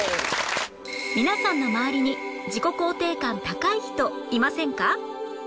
皆さんの周りに自己肯定感高い人いませんか？